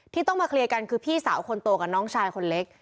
ที่ต้องมาเคลียร์กันคือพี่สาวคนโตกับน้องชายคนเล็ก